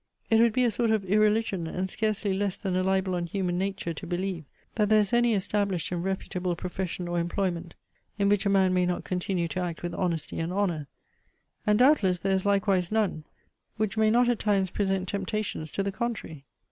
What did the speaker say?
It would be a sort of irreligion, and scarcely less than a libel on human nature to believe, that there is any established and reputable profession or employment, in which a man may not continue to act with honesty and honour; and doubtless there is likewise none, which may not at times present temptations to the contrary.